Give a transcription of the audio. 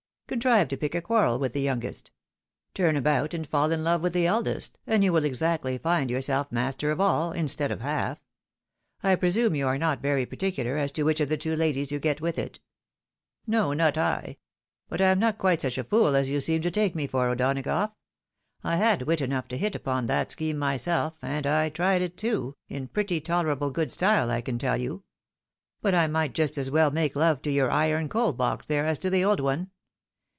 Contrive to pick a quarrel with the youngest ; turn about and fall in love with the eldest, and you will exactly find yourself master of aU, instead of half. I presume you are not very particular as to which of the two ladies you get with it ?"" No, not I. But I am not quite such a fool as you seem to take me for, O'Donagough. I had wit enough to hit upon that scheme myself, and I tried it too, in pretty tolerable good style, I can teU you. But I might just as well make love to your iron coal box there as to the old one.